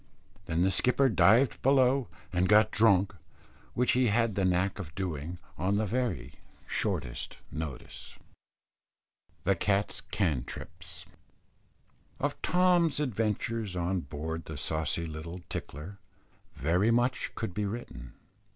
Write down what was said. Then the skipper dived below and got drunk, which he had the knack of doing on the very shortest notice. THE CAT'S "CANTRIPS." Of Tom's adventures on board the saucy little Tickler, very much could be written.